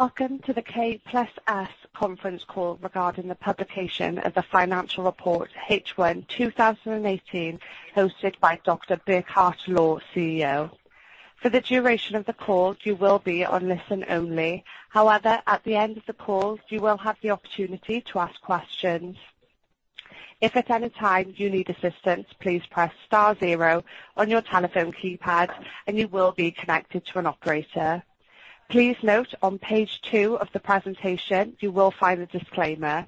Welcome to the K+S conference call regarding the publication of the financial report H1 2018, hosted by Dr. Burkhard Lohr, CEO. For the duration of the call, you will be on listen only. However, at the end of the call, you will have the opportunity to ask questions. If at any time you need assistance, please press star zero on your telephone keypad and you will be connected to an operator. Please note on page two of the presentation, you will find a disclaimer.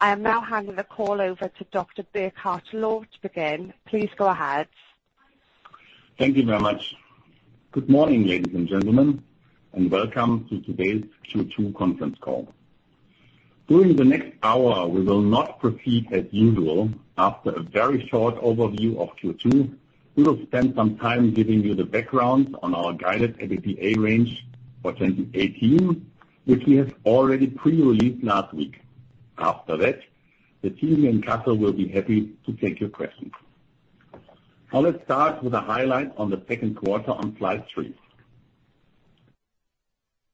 I am now handing the call over to Dr. Burkhard Lohr to begin. Please go ahead. Thank you very much. Good morning, ladies and gentlemen, and welcome to today's Q2 conference call. During the next hour, we will not proceed as usual. After a very short overview of Q2, we will spend some time giving you the background on our guided EBITDA range for 2018, which we have already pre-released last week. After that, the team in Kassel will be happy to take your questions. Now let's start with a highlight on the second quarter on slide three.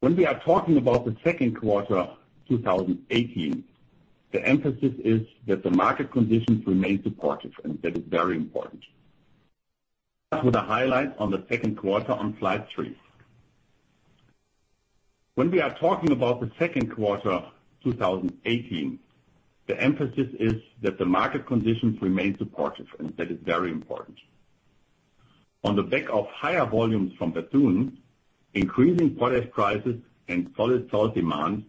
When we are talking about the second quarter 2018, the emphasis is that the market conditions remain supportive, and that is very important. Start with a highlight on the second quarter on slide three. When we are talking about the second quarter 2018, the emphasis is that the market conditions remain supportive, and that is very important. On the back of higher volumes from Bethune, increasing product prices, and solid salt demand,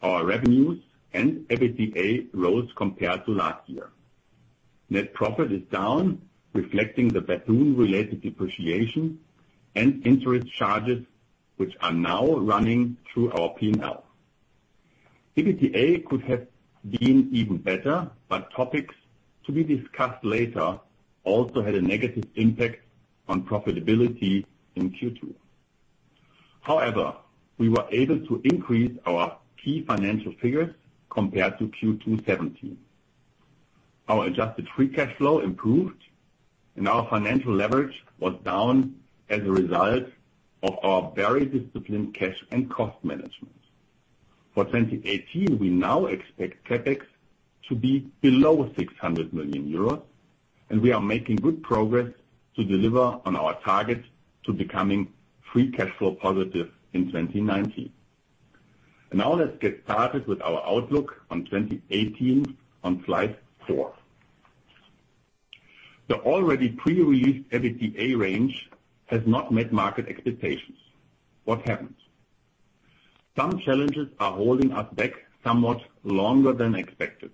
our revenues and EBITDA rose compared to last year. Net profit is down, reflecting the Bethune-related depreciation and interest charges, which are now running through our P&L. EBITDA could have been even better, but topics to be discussed later also had a negative impact on profitability in Q2. However, we were able to increase our key financial figures compared to Q2 '17. Our adjusted free cash flow improved, and our financial leverage was down as a result of our very disciplined cash and cost management. For 2018, we now expect CapEx to be below 600 million euros, and we are making good progress to deliver on our targets to becoming free cash flow positive in 2019. Now let's get started with our outlook on 2018 on slide four. The already pre-released EBITDA range has not met market expectations. What happened? Some challenges are holding us back somewhat longer than expected.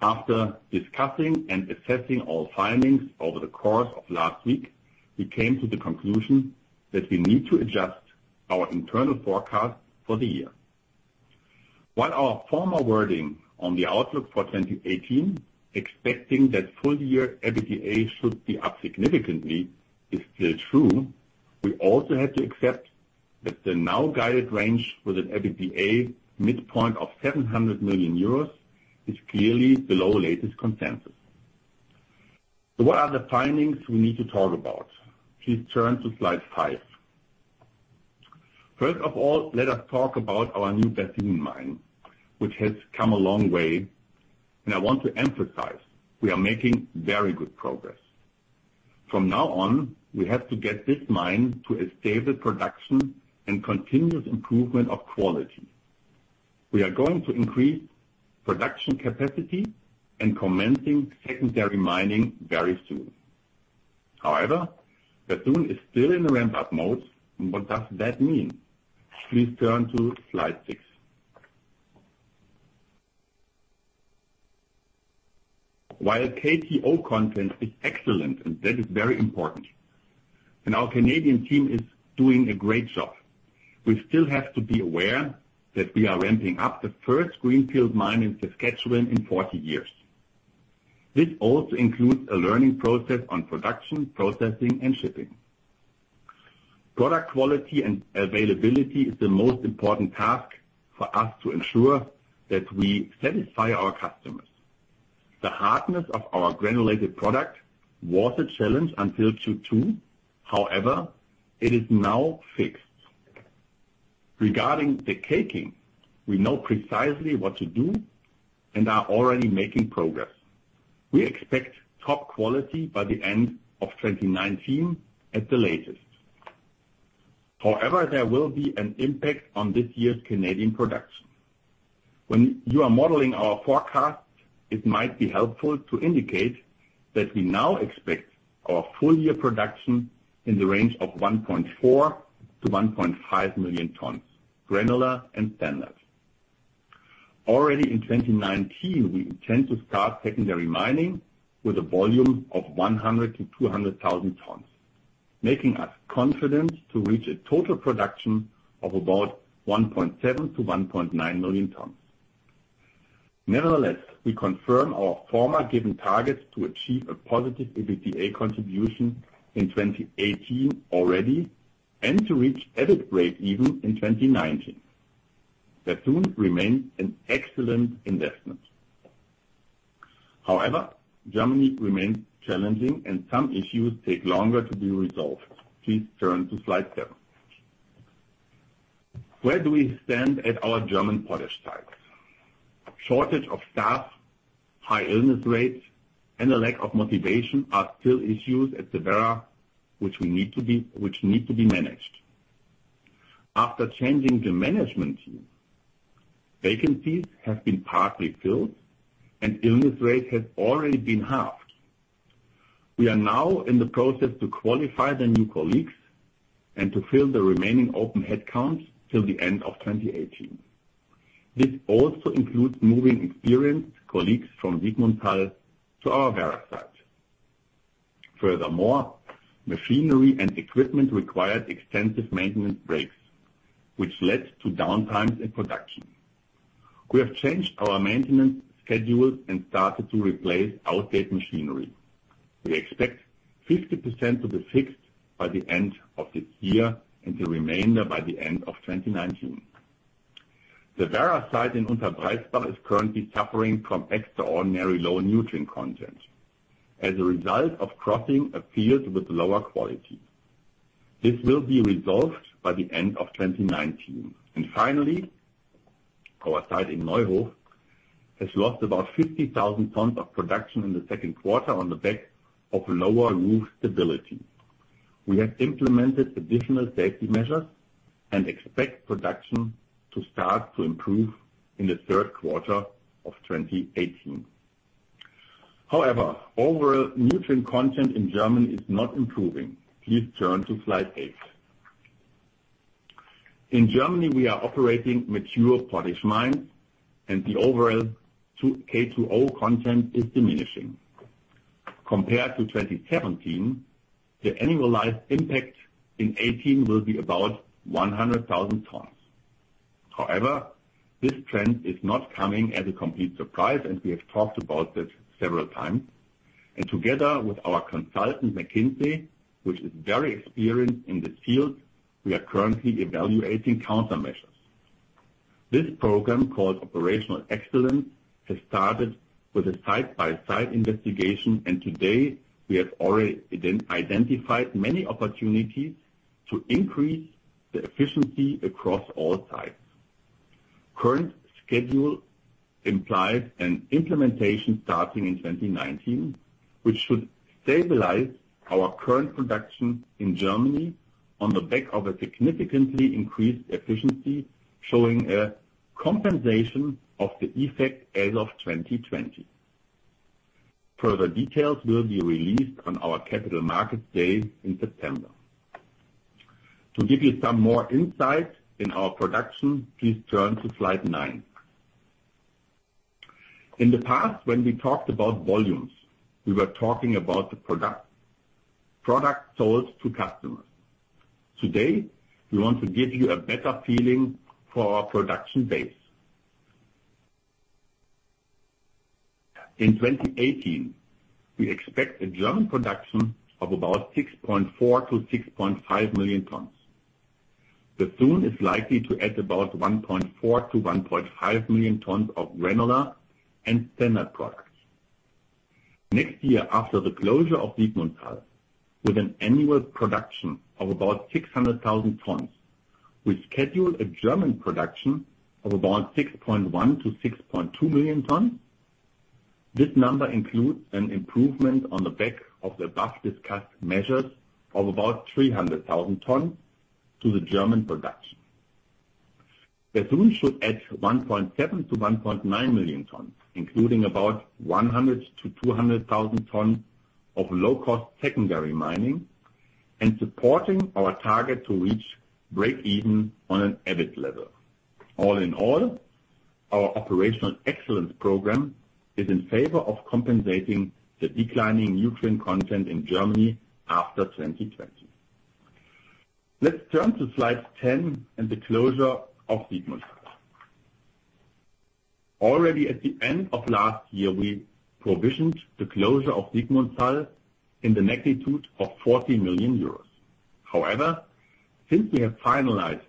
After discussing and assessing all findings over the course of last week, we came to the conclusion that we need to adjust our internal forecast for the year. While our former wording on the outlook for 2018, expecting that full year EBITDA should be up significantly, is still true, we also have to accept that the now guided range with an EBITDA midpoint of 700 million euros is clearly below latest consensus. What are the findings we need to talk about? Please turn to slide five. First of all, let us talk about our new Bethune mine, which has come a long way, and I want to emphasize we are making very good progress. From now on, we have to get this mine to a stable production and continuous improvement of quality. We are going to increase production capacity and commencing secondary mining very soon. However, Bethune is still in the ramp-up mode. What does that mean? Please turn to slide six. While K2O content is excellent, and that is very important, and our Canadian team is doing a great job, we still have to be aware that we are ramping up the first greenfield mine in Saskatchewan in 40 years. This also includes a learning process on production, processing, and shipping. Product quality and availability is the most important task for us to ensure that we satisfy our customers. The hardness of our granulated product was a challenge until Q2. However, it is now fixed. Regarding the caking, we know precisely what to do and are already making progress. We expect top quality by the end of 2019 at the latest. However, there will be an impact on this year's Canadian production. When you are modeling our forecast, it might be helpful to indicate that we now expect our full year production in the range of 1.4 million-1.5 million tons, granular and standard. Already in 2019, we intend to start secondary mining with a volume of 100,000-200,000 tons, making us confident to reach a total production of about 1.7 million-1.9 million tons. Nevertheless, we confirm our former given targets to achieve a positive EBITDA contribution in 2018 already and to reach EBIT breakeven in 2019. Bethune remains an excellent investment. However, Germany remains challenging and some issues take longer to be resolved. Please turn to slide seven. Where do we stand at our German potash sites? Shortage of staff, high illness rates, and a lack of motivation are still issues at the Werra which need to be managed. After changing the management team, vacancies have been partly filled and illness rate has already been halved. We are now in the process to qualify the new colleagues and to fill the remaining open headcounts till the end of 2018. This also includes moving experienced colleagues from Siegmundshall to our Werra site. Furthermore, machinery and equipment required extensive maintenance breaks, which led to downtimes in production. We have changed our maintenance schedules and started to replace outdated machinery. We expect 50% to be fixed by the end of this year, and the remainder by the end of 2019. The Werra site in Unterbreizbach is currently suffering from extraordinary low nutrient content as a result of crossing a field with lower quality. This will be resolved by the end of 2019. Finally, our site in Neuhof has lost about 50,000 tons of production in the second quarter on the back of lower roof stability. We have implemented additional safety measures and expect production to start to improve in the third quarter of 2018. However, overall nutrient content in Germany is not improving. Please turn to slide eight. In Germany, we are operating mature potash mines and the overall K2O content is diminishing. Compared to 2017, the annualized impact in 2018 will be about 100,000 tons. However, this trend is not coming as a complete surprise, and we have talked about this several times. Together with our consultant, McKinsey, which is very experienced in this field, we are currently evaluating countermeasures. This program, called Operational Excellence, has started with a site-by-site investigation, today we have already identified many opportunities to increase the efficiency across all sites. Current schedule implies an implementation starting in 2019, which should stabilize our current production in Germany on the back of a significantly increased efficiency, showing a compensation of the effect as of 2020. Further details will be released on our Capital Markets Day in September. To give you some more insight in our production, please turn to slide nine. In the past, when we talked about volumes, we were talking about the product sold to customers. Today, we want to give you a better feeling for our production base. In 2018, we expect a German production of about 6.4 million-6.5 million tons. Bethune is likely to add about 1.4 million-1.5 million tons of granular and standard products. Next year, after the closure of Siegmundshall, with an annual production of about 600,000 tons, we schedule a German production of about 6.1 million-6.2 million tons. This number includes an improvement on the back of the above-discussed measures of about 300,000 tons to the German production. Bethune should add 1.7 million-1.9 million tons, including about 100,000-200,000 tons of low-cost secondary mining and supporting our target to reach break even on an EBIT level. All in all, our Operational Excellence program is in favor of compensating the declining nutrient content in Germany after 2020. Let's turn to slide 10 and the closure of Siegmundshall. Already at the end of last year, we provisioned the closure of Siegmundshall in the magnitude of 40 million euros. However, since we have finalized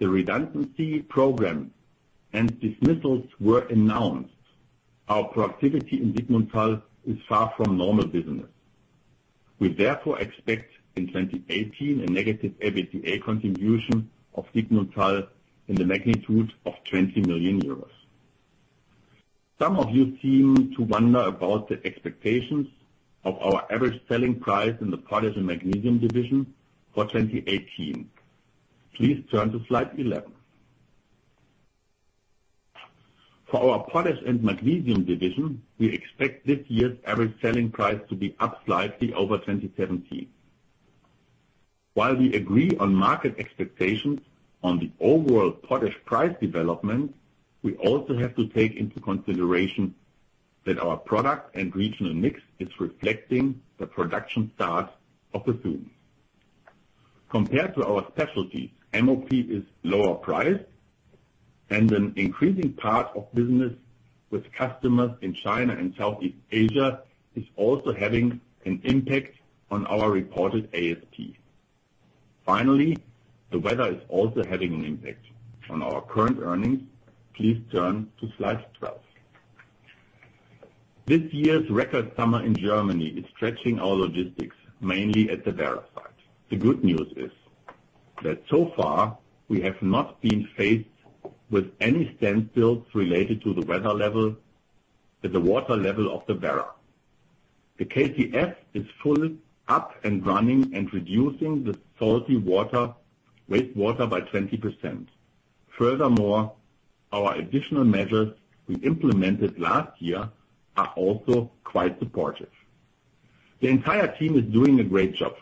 the redundancy program and dismissals were announced, our productivity in Siegmundshall is far from normal business. We therefore expect in 2018 a negative EBITDA contribution of Siegmundshall in the magnitude of 20 million euros. Some of you seem to wonder about the expectations of our average selling price in the Potash and Magnesium Products for 2018. Please turn to slide 11. For our Potash and Magnesium Products, we expect this year's average selling price to be up slightly over 2017. While we agree on market expectations on the overall potash price development, we also have to take into consideration that our product and regional mix is reflecting the production start of Bethune. Compared to our specialties, MOP is lower priced and an increasing part of business with customers in China and Southeast Asia is also having an impact on our reported ASP. Finally, the weather is also having an impact on our current earnings. Please turn to slide 12. This year's record summer in Germany is stretching our logistics, mainly at the Werra site. The good news is that so far, we have not been faced with any standstills related to the weather level, at the water level of the Werra. The KCF is fully up and running and reducing the salty wastewater by 20%. Furthermore, our additional measures we implemented last year are also quite supportive. The entire team is doing a great job.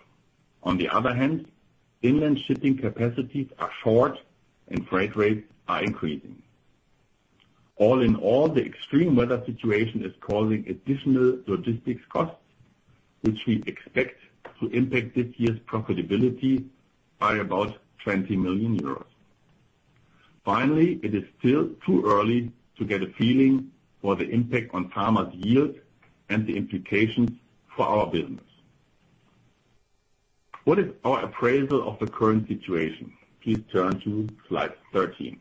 On the other hand, inland shipping capacities are short and freight rates are increasing. All in all, the extreme weather situation is causing additional logistics costs, which we expect to impact this year's profitability by about 20 million euros. Finally, it is still too early to get a feeling for the impact on farmers' yield and the implications for our business. What is our appraisal of the current situation? Please turn to slide 13.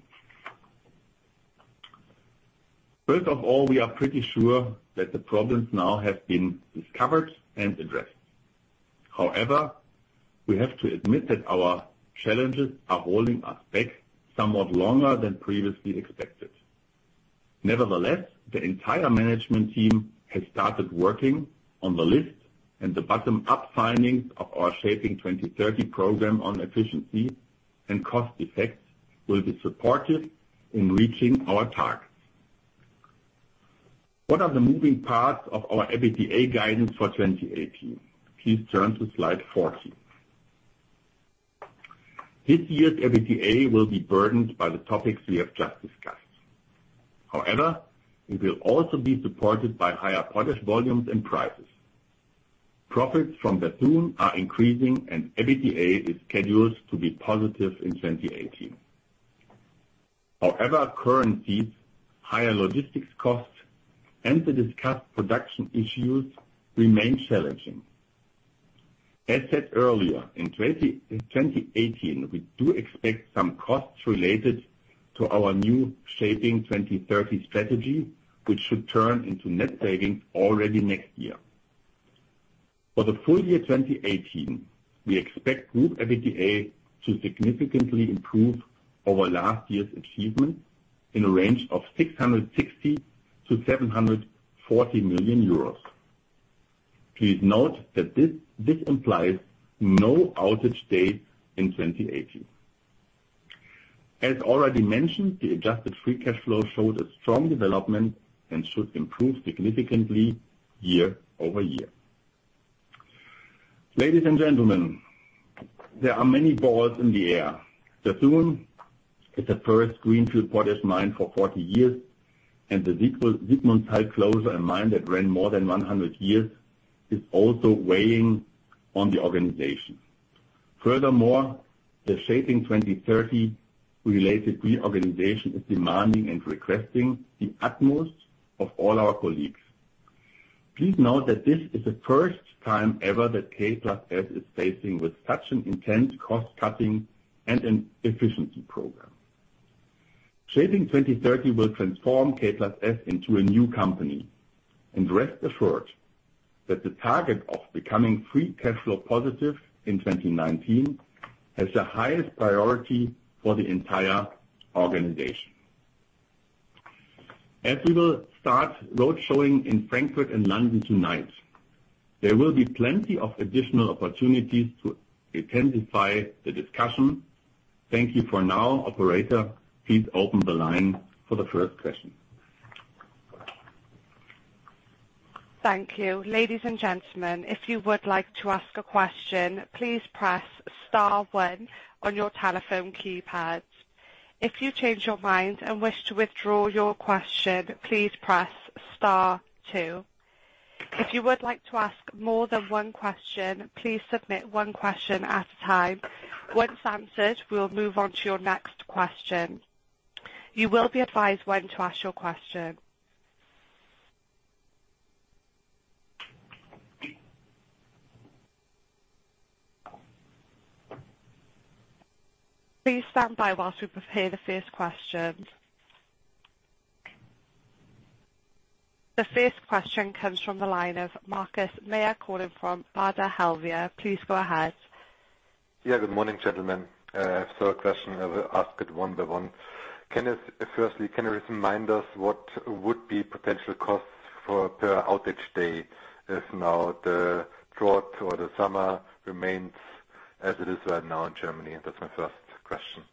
First of all, we are pretty sure that the problems now have been discovered and addressed. However, we have to admit that our challenges are holding us back somewhat longer than previously expected. Nevertheless, the entire management team has started working on the list, and the bottom-up findings of our Shaping 2030 program on efficiency and cost effects will be supportive in reaching our targets. What are the moving parts of our EBITDA guidance for 2018? Please turn to slide 14. This year's EBITDA will be burdened by the topics we have just discussed. However, it will also be supported by higher potash volumes and prices. Profits from Bethune are increasing, and EBITDA is scheduled to be positive in 2018. However, currencies, higher logistics costs, and the discussed production issues remain challenging. As said earlier, in 2018, we do expect some costs related to our new Shaping 2030 strategy, which should turn into net savings already next year. For the full year 2018, we expect group EBITDA to significantly improve over last year's achievements in a range of 660 million-740 million euros. Please note that this implies no outage days in 2018. As already mentioned, the adjusted free cash flow showed a strong development and should improve significantly year-over-year. Ladies and gentlemen, there are many balls in the air. Bethune is the first greenfield potash mine for 40 years, and the Sigmundshall closure, a mine that ran more than 100 years, is also weighing on the organization. Furthermore, the Shaping 2030 related reorganization is demanding and requesting the utmost of all our colleagues. Please note that this is the first time ever that K+S is facing with such an intense cost-cutting and an efficiency program. Shaping 2030 will transform K+S into a new company, and rest assured that the target of becoming free cash flow positive in 2019 has the highest priority for the entire organization. As we will start road showing in Frankfurt and London tonight, there will be plenty of additional opportunities to intensify the discussion. Thank you for now. Operator, please open the line for the first question. Thank you. Ladies and gentlemen, if you would like to ask a question, please press star one on your telephone keypad. If you change your mind and wish to withdraw your question, please press star two. If you would like to ask more than one question, please submit one question at a time. Once answered, we will move on to your next question. You will be advised when to ask your question. Please stand by whilst we prepare the first question. The first question comes from the line of Markus Mayer calling from Baader Helvea. Please go ahead. Good morning, gentlemen. I have three questions. I will ask it one by one. Kenneth, firstly, can you remind us what would be potential costs per outage day if now the drought or the summer remains as it is right now in Germany? That's my first question.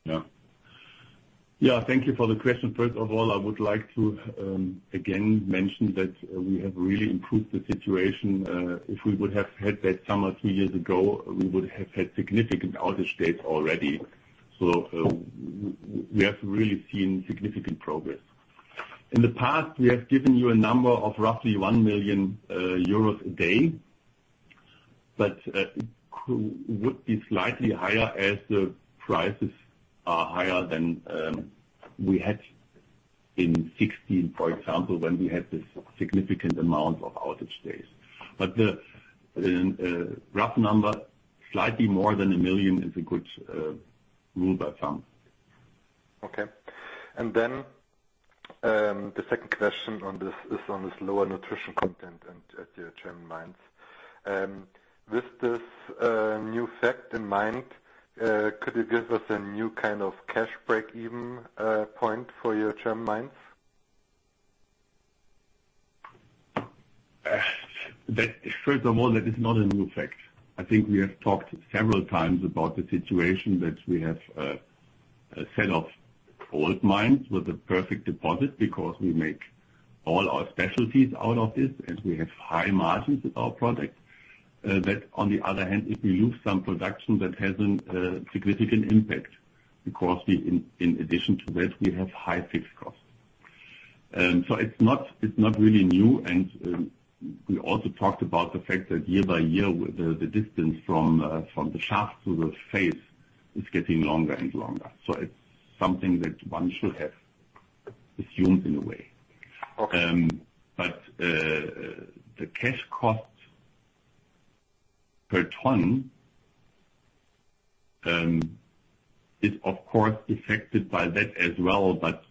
Thank you for the question. First of all, I would like to, again, mention that we have really improved the situation. If we would have had that summer two years ago, we would have had significant outage days already. We have really seen significant progress. In the past, we have given you a number of roughly 1 million euros a day, but it would be slightly higher as the prices are higher than we had in 2016, for example, when we had this significant amount of outage days. The rough number, slightly more than 1 million, is a good rule of thumb. Okay. The second question on this is on this lower nutrient content at your German mines. With this new fact in mind, could you give us a new kind of cash breakeven point for your German mines? First of all, that is not a new fact. I think we have talked several times about the situation that we have a set of old mines with a perfect deposit because we make all our specialties out of this and we have high margins with our products. That on the other hand, if we lose some production, that has a significant impact because in addition to that, we have high fixed costs. It's not really new, we also talked about the fact that year by year, the distance from the shaft to the face is getting longer and longer. It's something that one should have assumed in a way. Okay. The cash cost per ton is, of course, affected by that as well, but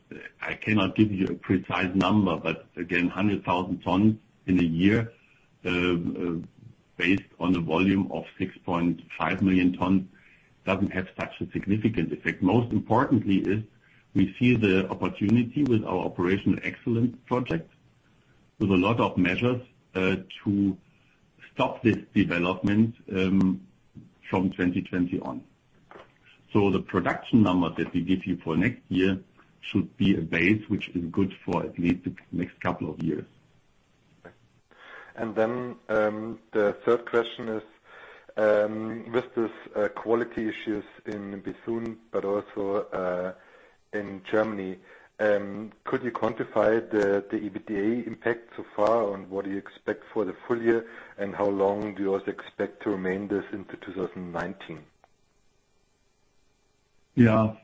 I cannot give you a precise number. Again, 100,000 tons in a year, based on a volume of 6.5 million tons, doesn't have such a significant effect. Most importantly is we see the opportunity with our Operational Excellence project, with a lot of measures, to stop this development from 2020 on. The production number that we give you for next year should be a base which is good for at least the next couple of years. The third question is, with these quality issues in Bethune, but also in Germany, could you quantify the EBITDA impact so far, what do you expect for the full year, and how long do you also expect to remain this into 2019?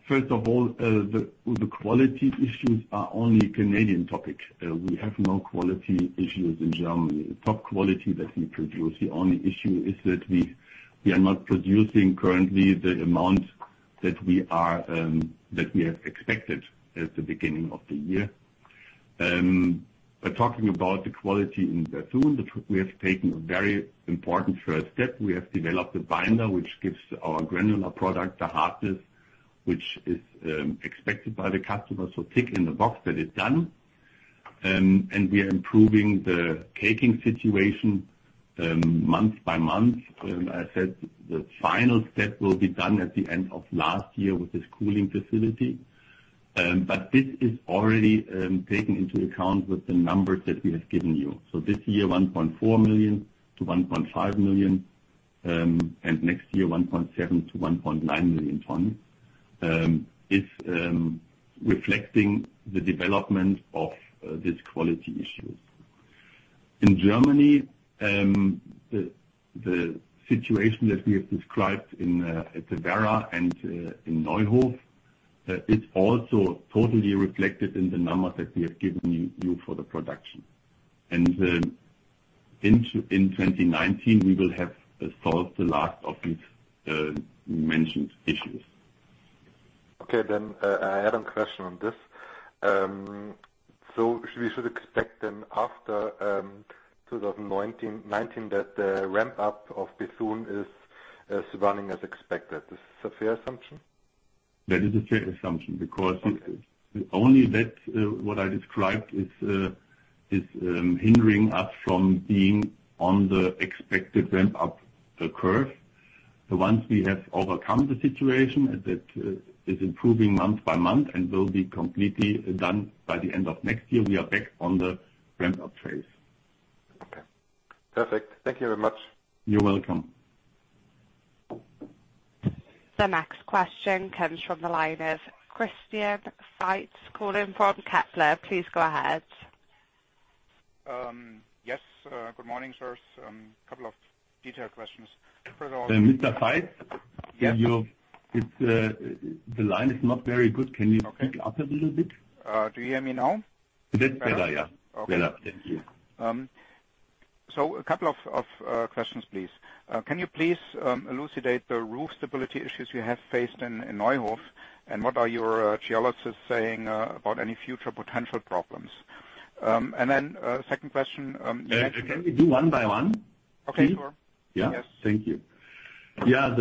First of all, the quality issues are only a Canadian topic. We have no quality issues in Germany. Top quality that we produce. The only issue is that we are not producing currently the amount that we have expected at the beginning of the year. Talking about the quality in Bethune, we have taken a very important first step. We have developed a binder which gives our granular product the hardness which is expected by the customer. Tick in the box that is done. We are improving the caking situation month by month. I said the final step will be done at the end of next year with this cooling facility. This is already taken into account with the numbers that we have given you. This year, 1.4 million to 1.5 million, and next year 1.7 million tons to 1.9 million tons, is reflecting the development of these quality issues. In Germany, the situation that we have described at the Werra and in Neuhof, it's also totally reflected in the numbers that we have given you for the production. In 2019, we will have solved the last of these mentioned issues. I have a question on this. We should expect after 2019 that the ramp-up of Bethune is running as expected. Is this a fair assumption? That is a fair assumption because Okay only that, what I described, is hindering us from being on the expected ramp-up the curve. Once we have overcome the situation, that is improving month by month and will be completely done by the end of next year, we are back on the ramp-up phase. Perfect. Thank you very much. You're welcome. The next question comes from the line of Christian Faitz calling from Kepler. Please go ahead. Yes, good morning, sirs. A couple of detailed questions. Mr. Faitz? Yes. The line is not very good. Okay Speak up a little bit? Do you hear me now? A bit better, yeah. Okay. Better. Thank you. A couple of questions, please. Can you please elucidate the roof stability issues you have faced in Neuhof, and what are your geologists saying about any future potential problems? Can we do one by one, please? Okay, sure. Yeah? Yes. Thank you. We ran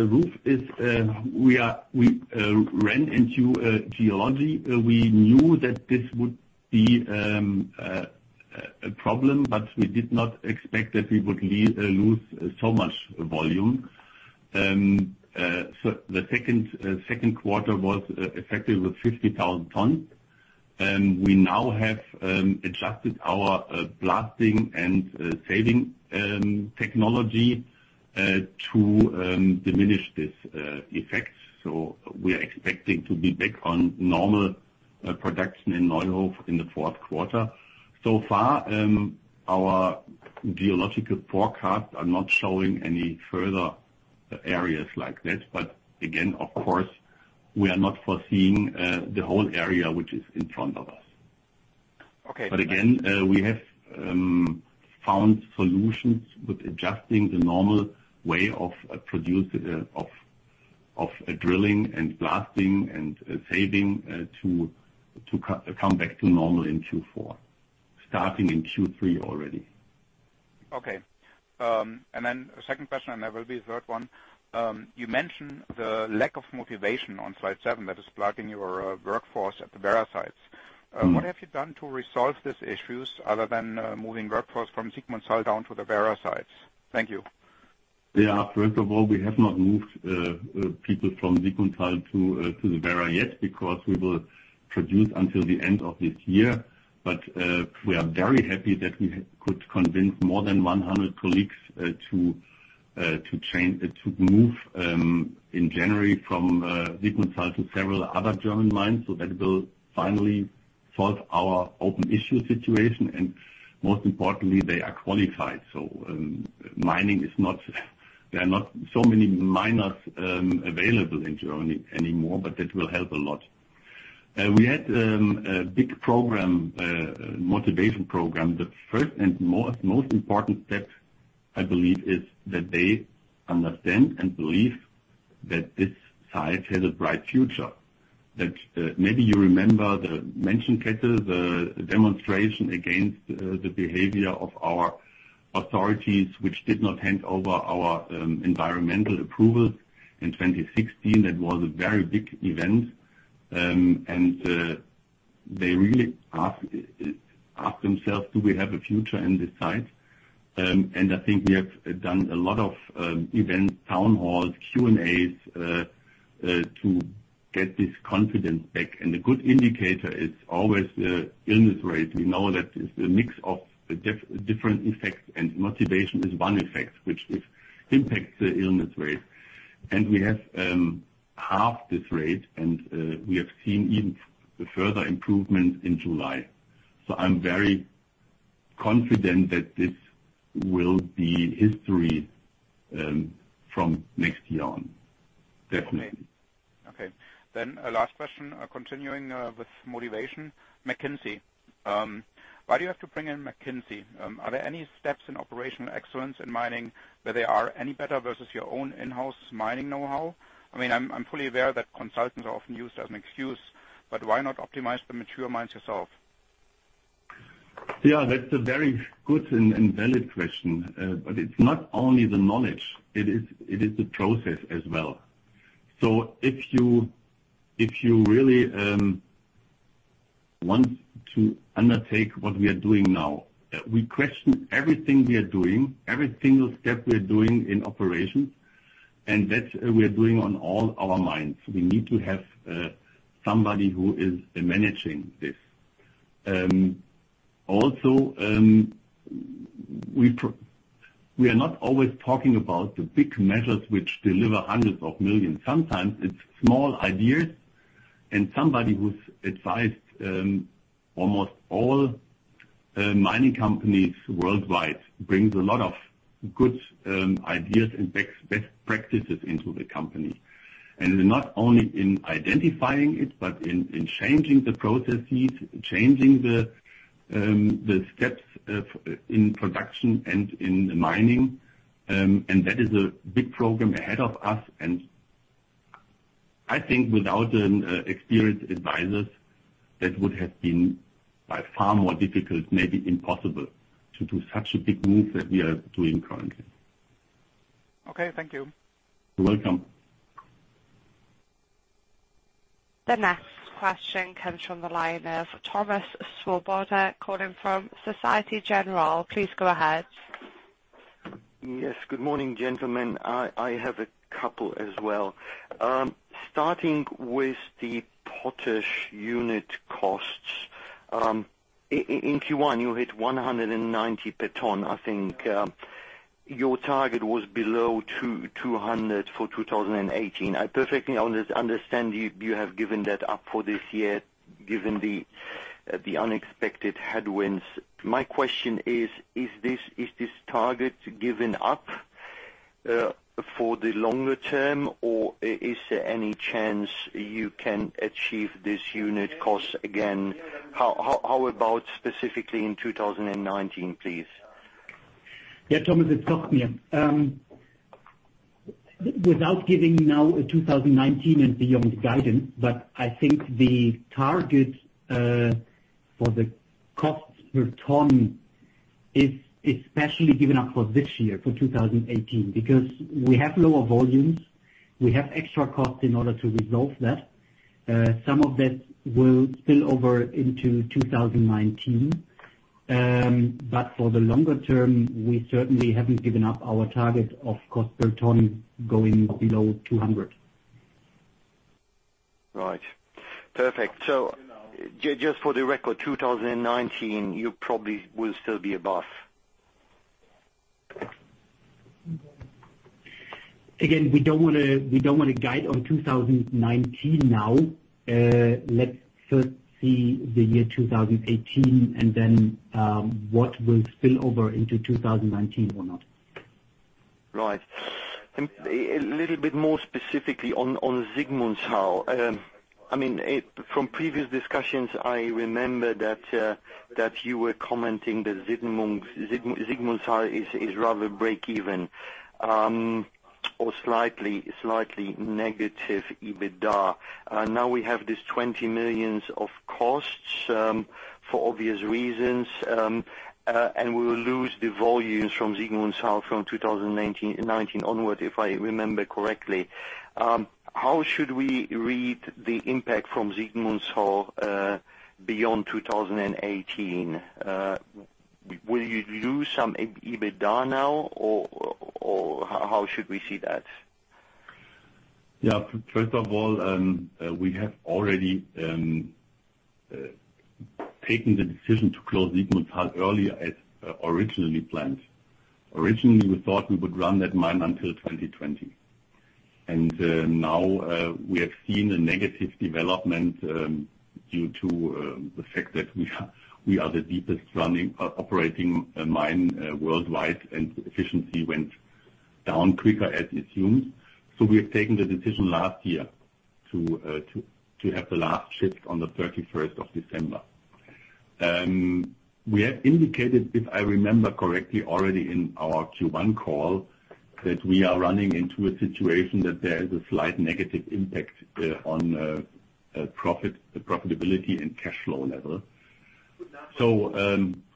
into geology. We knew that this would be a problem, but we did not expect that we would lose so much volume. The second quarter was affected with 50,000 tons. We now have adjusted our blasting and saving technology to diminish this effect. We are expecting to be back on normal production in Neuhof in the fourth quarter. So far, our geological forecasts are not showing any further areas like that. Again, of course, we are not foreseeing the whole area which is in front of us. Okay. Again, we have found solutions with adjusting the normal way of drilling and blasting and saving to come back to normal in Q4, starting in Q3 already. Okay. Then a second question, there will be a third one. You mentioned the lack of motivation on slide seven that is plaguing your workforce at the Werra sites. What have you done to resolve these issues other than moving workforce from Siegmundshall down to the Werra sites? Thank you. Yeah. First of all, we have not moved people from Siegmundshall to the Werra yet, because we will produce until the end of this year. We are very happy that we could convince more than 100 colleagues to move in January from Siegmundshall to several other German mines. That will finally solve our open issue situation, and most importantly, they are qualified. There are not so many miners available in Germany anymore, but that will help a lot. We had a big motivation program. The first and most important step, I believe, is that they understand and believe that this site has a bright future. That maybe you remember the demonstration against the behavior of our authorities, which did not hand over our environmental approval in 2016. That was a very big event. They really asked themselves, do we have a future in this site? I think we have done a lot of events, town halls, Q&As, to get this confidence back. A good indicator is always the illness rates. We know that it is a mix of different effects, and motivation is one effect which impacts the illness rate. We have halved this rate, and we have seen even further improvement in July. I am very confident that this will be history from next year on, definitely. Okay. A last question, continuing with motivation. McKinsey. Why do you have to bring in McKinsey? Are there any steps in Operational Excellence in mining where they are any better versus your own in-house mining knowhow? I'm fully aware that consultants are often used as an excuse, but why not optimize the mature mines yourself? Yeah, that is a very good and valid question. But it is not only the knowledge, it is the process as well. If you really want to undertake what we are doing now, we question everything we are doing, every single step we are doing in operation, and that we are doing on all our mines. We need to have somebody who is managing this. Also, we are not always talking about the big measures which deliver hundreds of millions. Sometimes it is small ideas, and somebody who has advised almost all mining companies worldwide brings a lot of good ideas and best practices into the company. Not only in identifying it, but in changing the processes, changing the steps in production and in mining. That is a big program ahead of us. I think without experienced advisors, that would have been by far more difficult, maybe impossible, to do such a big move that we are doing currently. Okay, thank you. You're welcome. The next question comes from the line of Thomas Swoboda, calling from Societe Generale. Please go ahead. Yes, good morning, gentlemen. I have a couple as well. Starting with the potash unit costs. In Q1 you hit 190 per ton, I think. Your target was below 200 for 2018. I perfectly understand you have given that up for this year, given the unexpected headwinds. My question is: Is this target given up for the longer term, or is there any chance you can achieve this unit cost again? How about specifically in 2019, please? Thomas, it's Koch here. Without giving now a 2019 and beyond guidance, I think the target for the cost per ton is especially given up for this year, for 2018, because we have lower volumes, we have extra costs in order to resolve that. Some of that will spill over into 2019. For the longer term, we certainly haven't given up our target of cost per ton going below 200. Right. Perfect. Just for the record, 2019, you probably will still be above? Again, we don't want to guide on 2019 now. Let's first see the year 2018, then what will spill over into 2019 or not. Right. A little bit more specifically on Sigmundshall. From previous discussions, I remember that you were commenting that Sigmundshall is rather break even or slightly negative EBITDA. We have this 20 million of costs for obvious reasons, and we will lose the volumes from Sigmundshall from 2019 onward, if I remember correctly. How should we read the impact from Sigmundshall beyond 2018? Will you lose some EBITDA now, or how should we see that? Yeah. First of all, we have already taken the decision to close Sigmundshall earlier as originally planned. Originally, we thought we would run that mine until 2020. We have seen a negative development due to the fact that we are the deepest operating mine worldwide, and efficiency went down quicker as assumed. We have taken the decision last year to have the last shift on the 31st of December. We have indicated, if I remember correctly, already in our Q1 call, that we are running into a situation that there is a slight negative impact on profitability and cash flow level.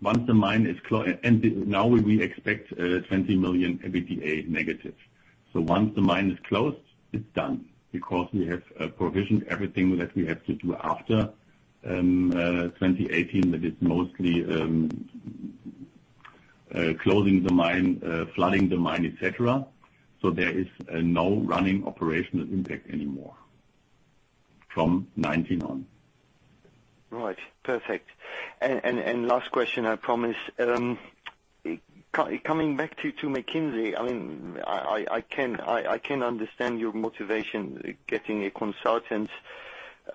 Once the mine is closed. We expect 20 million EBITDA negative. Once the mine is closed, it is done because we have provisioned everything that we have to do after 2018, that is mostly closing the mine, flooding the mine, et cetera. There is no running operational impact anymore from 2019 on. Right. Perfect. Last question, I promise. Coming back to McKinsey. I can understand your motivation getting a consultant.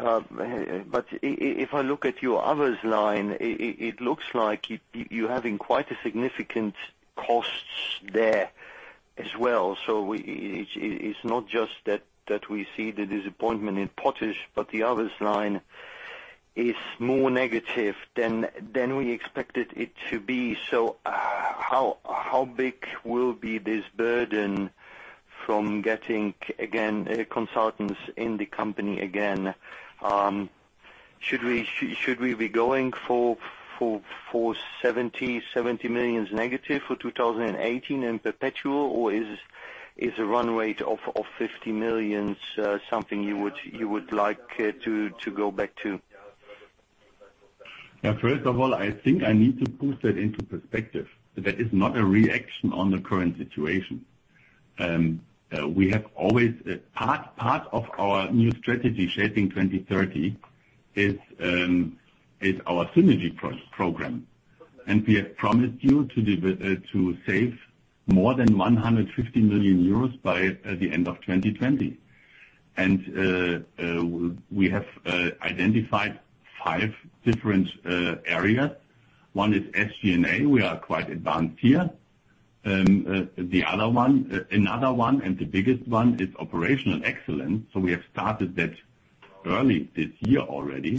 If I look at your others line, it looks like you are having quite significant costs there as well. It is not just that we see the disappointment in potash, but the others line is more negative than we expected it to be. How big will be this burden from getting consultants in the company again? Should we be going for 70 million negative for 2018 and perpetual, or is a run rate of 50 million something you would like to go back to? Yeah. First of all, I think I need to put that into perspective. That is not a reaction on the current situation. Part of our new strategy, Shaping 2030, is our synergy program. We have promised you to save more than 150 million euros by the end of 2020. We have identified five different areas. One is SG&A. We are quite advanced here. Another one, and the biggest one, is Operational Excellence. We have started that early this year already.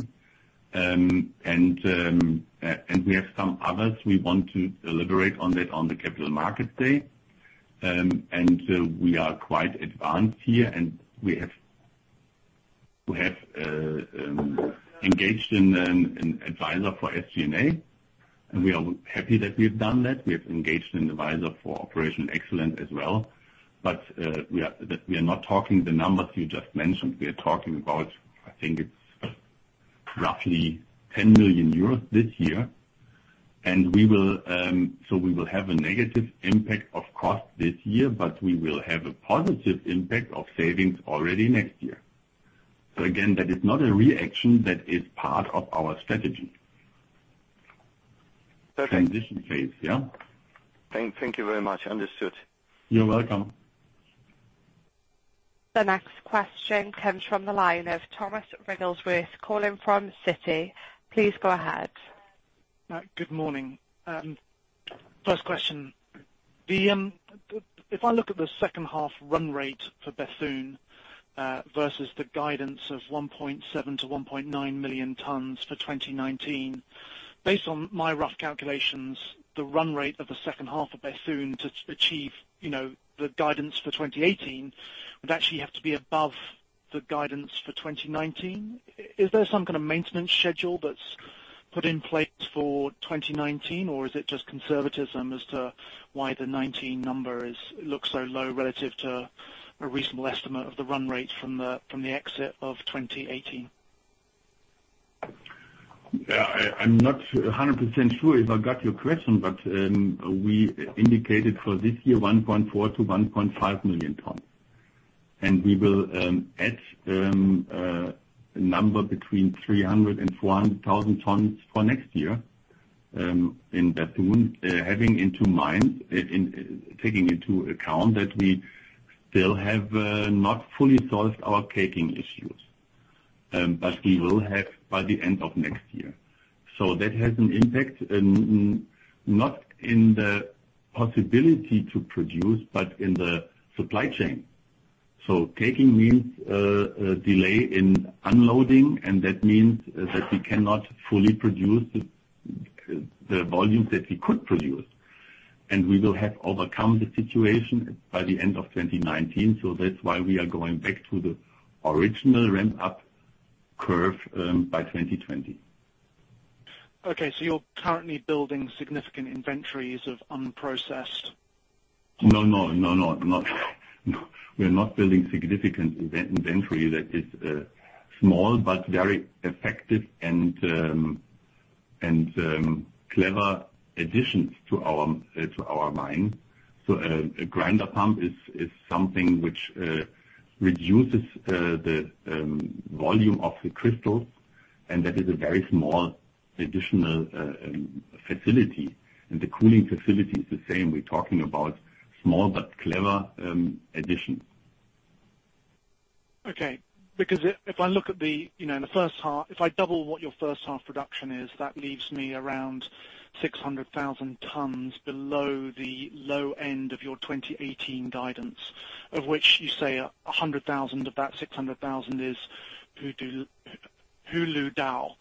We have some others we want to deliberate on the Capital Markets Day. We are quite advanced here, and we have engaged an advisor for SG&A, and we are happy that we've done that. We have engaged an advisor for Operational Excellence as well. We are not talking the numbers you just mentioned. We are talking about, I think it's roughly 10 million euros this year. We will have a negative impact of cost this year, but we will have a positive impact of savings already next year. Again, that is not a reaction; that is part of our strategy. Perfect. Transition phase. Yeah. Thank you very much. Understood. You're welcome. The next question comes from the line of Thomas Wrigglesworth calling from Citi. Please go ahead. Good morning. First question. If I look at the second half run rate for Bethune versus the guidance of 1.7 million-1.9 million tons for 2019, based on my rough calculations, the run rate of the second half of Bethune to achieve the guidance for 2018 would actually have to be above the guidance for 2019. Is there some kind of maintenance schedule that is put in place for 2019, or is it just conservatism as to why the 2019 number looks so low relative to a reasonable estimate of the run rate from the exit of 2018? I'm not 100% sure if I got your question, but we indicated for this year 1.4 million-1.5 million tons. We will add a number between 300,000-400,000 tons for next year in Bethune, taking into account that we still have not fully solved our caking issues. We will have by the end of next year. That has an impact, not in the possibility to produce, but in the supply chain. Taking means a delay in unloading, and that means that we cannot fully produce the volumes that we could produce. We will have overcome the situation by the end of 2019, that's why we are going back to the original ramp-up curve by 2020. Okay. You're currently building significant inventories of unprocessed- No, we're not building significant inventory. That is a small but very effective and clever additions to our mine. A grinder pump is something which reduces the volume of the crystals, and that is a very small additional facility. The cooling facility is the same. We're talking about small but clever additions. If I double what your first half production is, that leaves me around 600,000 tons below the low end of your 2018 guidance. Of which you say 100,000 of that 600,000 is Huludao.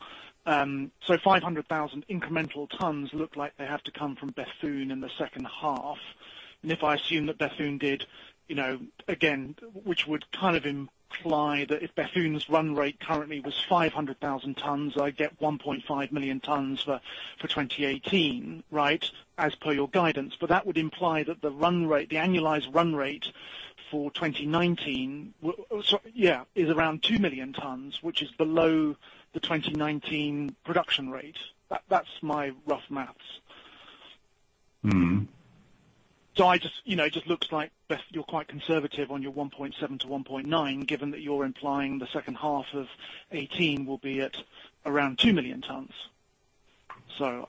500,000 incremental tons look like they have to come from Bethune in the second half. If I assume that Bethune did, again, which would kind of imply that if Bethune's run rate currently was 500,000 tons, I get 1.5 million tons for 2018, right, as per your guidance. That would imply that the annualized run rate for 2019 is around 2 million tons, which is below the 2019 production rate. That's my rough maths. It just looks like you're quite conservative on your 1.7 to 1.9, given that you're implying the second half of 2018 will be at around 2 million tons. Hence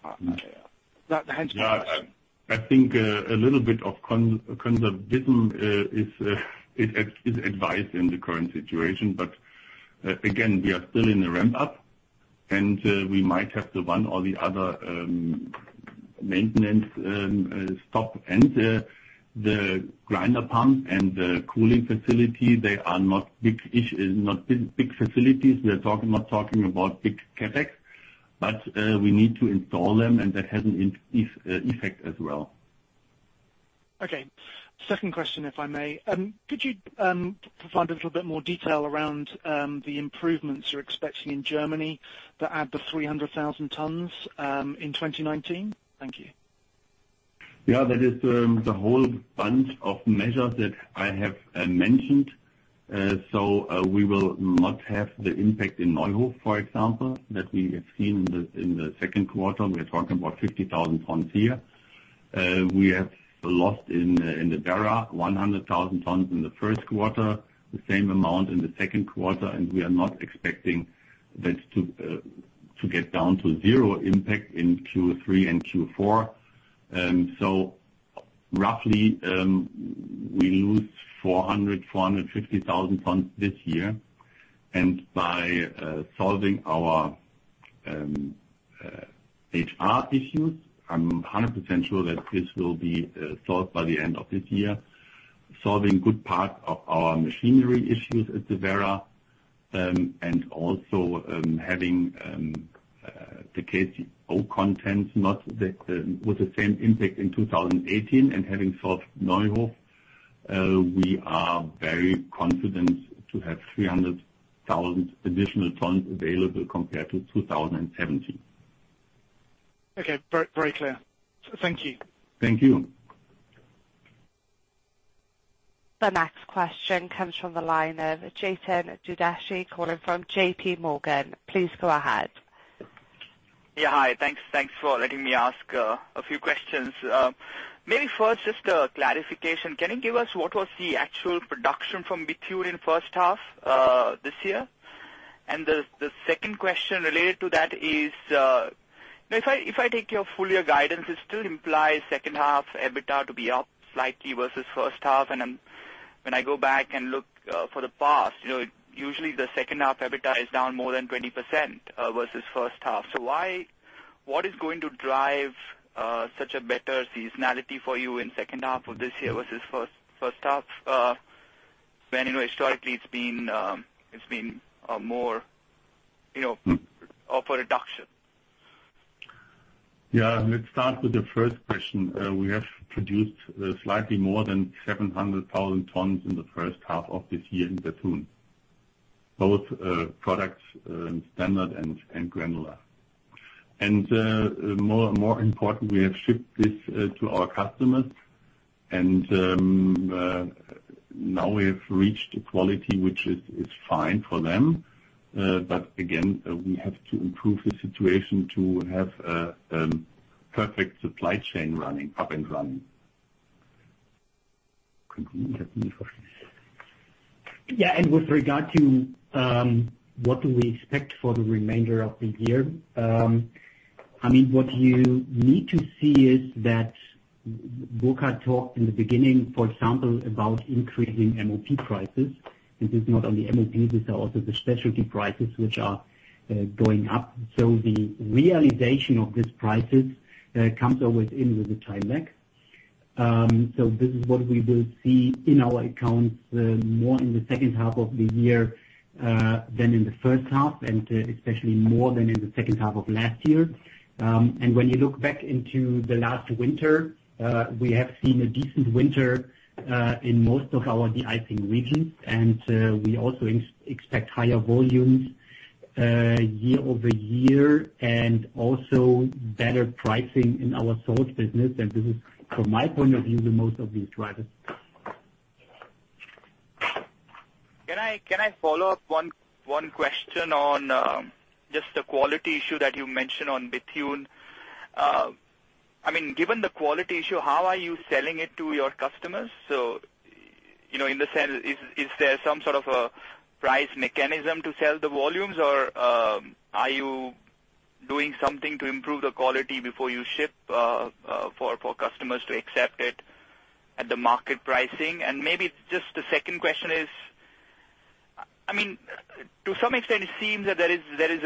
my question. Yeah. I think a little bit of conservatism is advised in the current situation. Again, we are still in a ramp-up, and we might have the one or the other maintenance stop. The grinder pump and the cooling facility, they are not big facilities. We are not talking about big CapEx. We need to install them, and that has an effect as well. Okay. Second question, if I may. Could you provide a little bit more detail around the improvements you are expecting in Germany that add the 300,000 tons in 2019? Thank you. Yeah, that is the whole bunch of measures that I have mentioned. We will not have the impact in Neuhof, for example, that we have seen in the second quarter. We are talking about 50,000 tons here. We have lost in the Werra 100,000 tons in the first quarter, the same amount in the second quarter, and we are not expecting that to get down to zero impact in Q3 and Q4. Roughly, we lose 400,000, 450,000 tons this year. By solving our HR issues, I am 100% sure that this will be solved by the end of this year. Solving good part of our machinery issues at the Werra, and also having the K2O content not with the same impact in 2018 and having solved Neuhof, we are very confident to have 300,000 additional tons available compared to 2017. Okay. Very clear. Thank you. Thank you. The next question comes from the line of Jatin Dadhania calling from JP Morgan. Please go ahead. Yeah. Hi. Thanks for letting me ask a few questions. Maybe first, just a clarification. Can you give us what was the actual production from Bethune in first half this year? The second question related to that is, if I take your full year guidance, it still implies second half EBITDA to be up slightly versus first half. When I go back and look for the past, usually the second half EBITDA is down more than 20% versus first half. What is going to drive such a better seasonality for you in second half of this year versus first half, when historically it's been more of a reduction? Yeah. Let's start with the first question. We have produced slightly more than 700,000 tons in the first half of this year in Bethune, both products, standard and granular. More important, we have shipped this to our customers, and now we have reached a quality which is fine for them. Again, we have to improve the situation to have a perfect supply chain up and running. Continue. Yeah. With regard to what do we expect for the remainder of the year? What you need to see is that Burkhard talked in the beginning, for example, about increasing MOP prices. This is not only MOP, this is also the specialty prices which are going up. The realization of these prices comes always in with a time lag. This is what we will see in our accounts more in the second half of the year than in the first half, especially more than in the second half of last year. When you look back into the last winter, we have seen a decent winter in most of our de-icing regions. We also expect higher volumes year-over-year and also better pricing in our salt business. This is, from my point of view, the most of these drivers. Can I follow up one question on just the quality issue that you mentioned on Bethune? Given the quality issue, how are you selling it to your customers? In the sense, is there some sort of a price mechanism to sell the volumes, or are you doing something to improve the quality before you ship for customers to accept it at the market pricing? Maybe just the second question is, to some extent, it seems that there is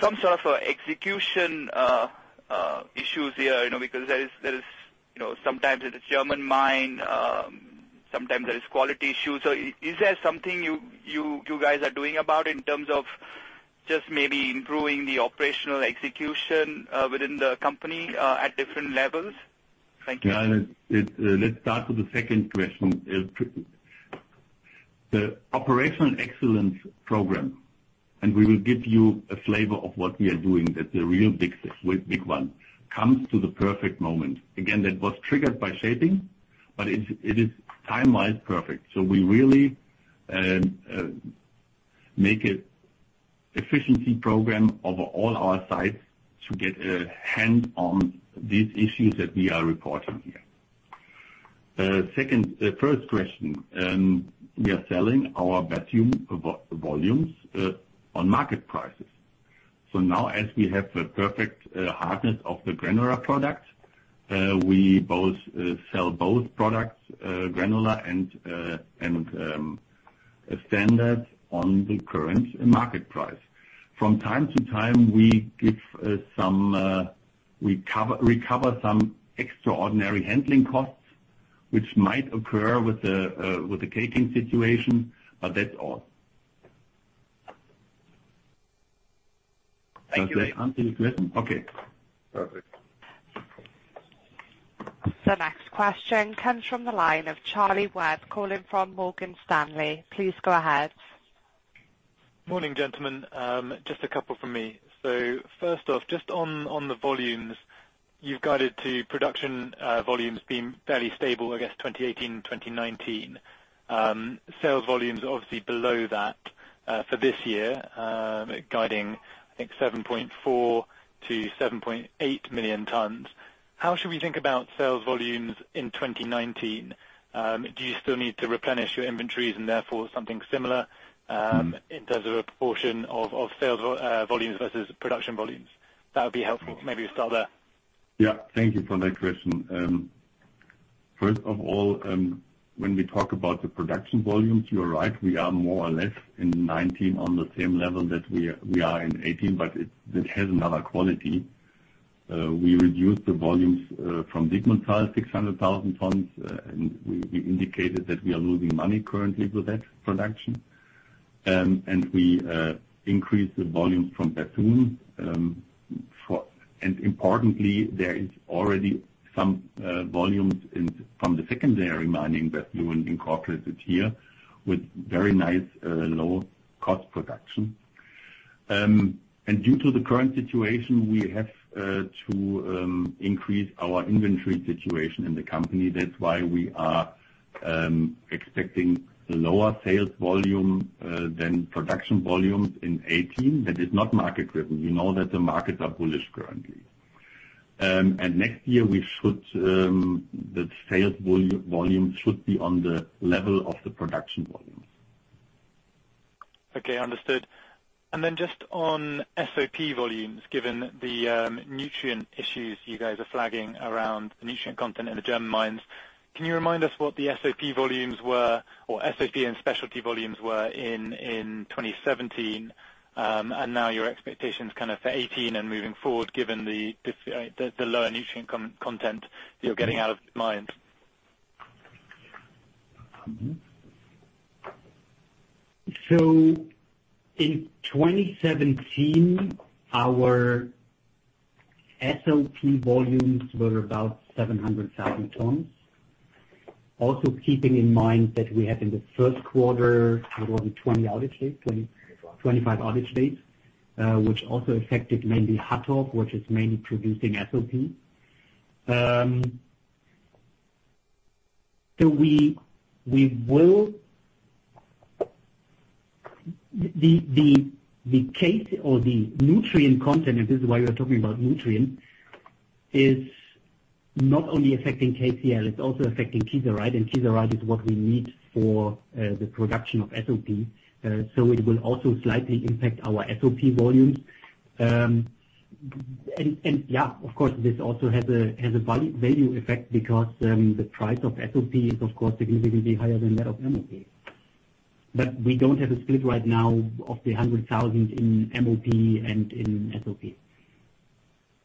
some sort of execution issues here, because there is sometimes in the German mine, sometimes there is quality issues. Is there something you guys are doing about in terms of just maybe improving the operational execution within the company at different levels? Thank you. Let's start with the second question. The Operational Excellence program, and we will give you a flavor of what we are doing, that the real big one comes to the perfect moment. Again, that was triggered by Shaping, but it is timeline perfect. We really make an efficiency program of all our sites to get a hand on these issues that we are reporting here. The first question. We are selling our Bethune volumes on market prices. Now as we have the perfect hardness of the granular product, we sell both products, granular and standard, on the current market price. From time to time, we recover some extraordinary handling costs, which might occur with the caking situation, but that's all. Thank you. Does that answer your question? Okay. Perfect. The next question comes from the line of Charlie Webb, calling from Morgan Stanley. Please go ahead. Morning, gentlemen. Just a couple from me. First off, just on the volumes, you've guided to production volumes being fairly stable, I guess, 2018 and 2019. Sales volumes obviously below that for this year, guiding, I think, 7.4 million-7.8 million tons. How should we think about sales volumes in 2019? Do you still need to replenish your inventories and therefore something similar in terms of a proportion of sales volumes versus production volumes? That would be helpful. Maybe start there. Thank you for that question. First of all, when we talk about the production volumes, you are right, we are more or less in 2019 on the same level that we are in 2018, it has another quality. We reduced the volumes from Sigmundshall, 600,000 tons. We indicated that we are losing money currently with that production. We increased the volumes from Bethune. Importantly, there is already some volumes from the secondary mining that we will incorporate this year with very nice low-cost production. Due to the current situation, we have to increase our inventory situation in the company. That is why we are expecting lower sales volume than production volumes in 2018. That is not market-driven. We know that the markets are bullish currently. Next year, the sales volume should be on the level of the production volume. Okay, understood. Then just on SOP volumes, given the nutrient issues you guys are flagging around the nutrient content in the German mines, can you remind us what the SOP volumes were, or SOP and specialty volumes were in 2017? Now your expectations for 2018 and moving forward, given the lower nutrient content you are getting out of mines. In 2017, our SOP volumes were about 700,000 tons. Also keeping in mind that we had in the first quarter, what was it? 20 outage dates? 25 outage dates, which also affected mainly Hattorf, which is mainly producing SOP. The nutrient content, this is why we are talking about nutrient, is not only affecting KCL, it is also affecting kieserite, and kieserite is what we need for the production of SOP. It will also slightly impact our SOP volumes. Of course, this also has a value effect because the price of SOP is, of course, significantly higher than that of MOP. We do not have a split right now of the 100,000 in MOP and in SOP.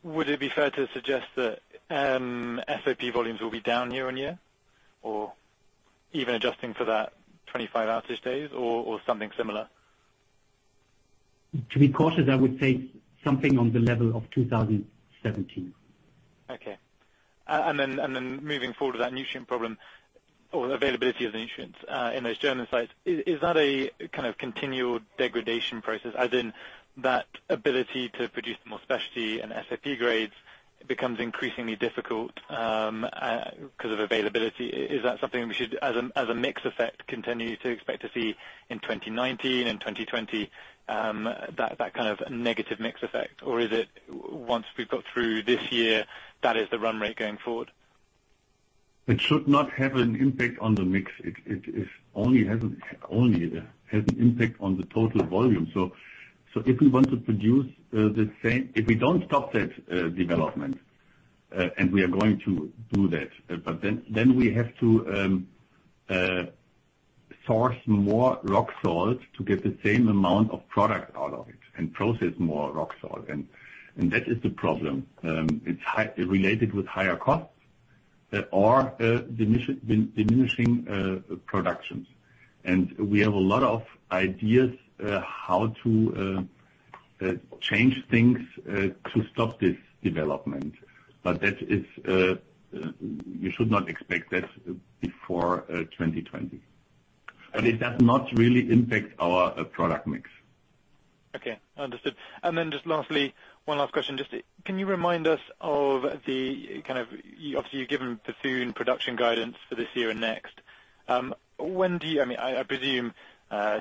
Would it be fair to suggest that SOP volumes will be down year-on-year? Even adjusting for that 25 outage days or something similar? To be cautious, I would say something on the level of 2017. Okay. Moving forward with that nutrient problem or availability of the nutrients in those German sites, is that a kind of continued degradation process as in that ability to produce more specialty and SOP grades becomes increasingly difficult because of availability? Is that something we should, as a mix effect, continue to expect to see in 2019 and 2020, that kind of negative mix effect? Is it, once we've got through this year, that is the run rate going forward? It should not have an impact on the mix. It only has an impact on the total volume. If we don't stop that development, and we are going to do that, but then we have to source more rock salt to get the same amount of product out of it and process more rock salt. That is the problem. It's related with higher costs or diminishing productions. We have a lot of ideas how to change things to stop this development. You should not expect that before 2020. It does not really impact our product mix. Okay, understood. Just lastly, one last question. Can you remind us of Obviously, you've given Bethune production guidance for this year and next. I presume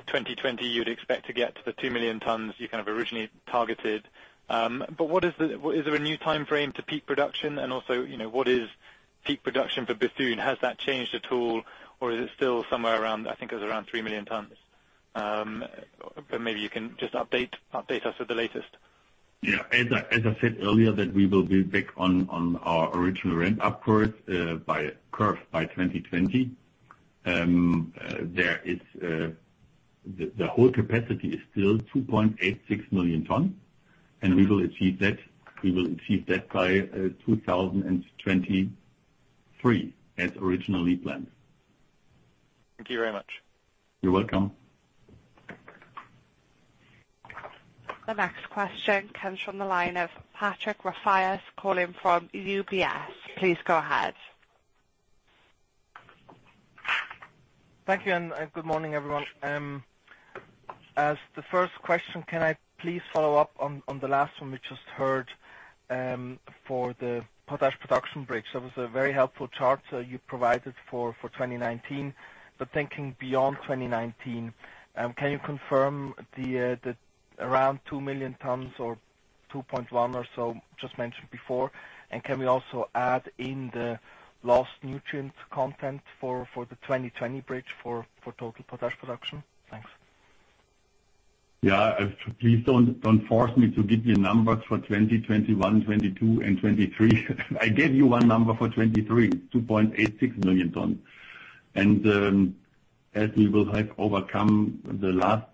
2020, you'd expect to get to the 2 million tons you kind of originally targeted. Is there a new time frame to peak production? Also, what is peak production for Bethune? Has that changed at all, or is it still somewhere around, I think it was around 3 million tons. Maybe you can just update us with the latest. Yeah. As I said earlier that we will be back on our original ramp upwards curve by 2020. The whole capacity is still 2.86 million tons, and we will achieve that by 2023 as originally planned. Thank you very much. You're welcome. The next question comes from the line of Patrick Rafaisz calling from UBS. Please go ahead. Thank you. Good morning, everyone. As the first question, can I please follow up on the last one we just heard, for the potash production bridge? That was a very helpful chart you provided for 2019. Thinking beyond 2019, can you confirm around 2 million tons or 2.1 or so just mentioned before? Can we also add in the lost nutrient content for the 2020 bridge for total potash production? Thanks. Please don't force me to give you numbers for 2020, 2021, 2022, and 2023. I gave you one number for 2023, 2.86 million tons. As we will have overcome the last